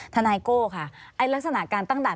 นายโก้ค่ะไอ้ลักษณะการตั้งด่าน